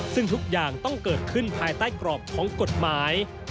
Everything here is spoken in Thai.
ซึ่งทุกอย่างต้องเกิดขึ้นภายใต้กรอบของกฎหมาย